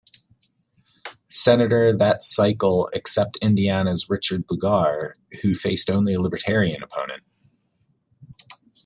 Senator that cycle except Indiana's Richard Lugar, who faced only a Libertarian opponent.